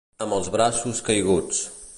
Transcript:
Amb els braços caiguts.